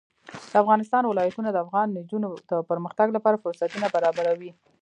د افغانستان ولايتونه د افغان نجونو د پرمختګ لپاره فرصتونه برابروي.